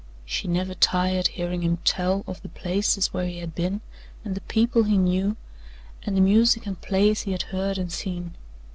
She never tired hearing him tell of the places where he had been and the people he knew and the music and plays he had heard and seen.